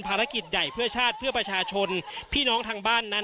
ภารกิจใหญ่เพื่อชาติเพื่อประชาชนพี่น้องทางบ้านนั้น